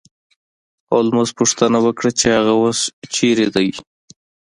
هولمز پوښتنه وکړه چې هغه اوس چیرته دی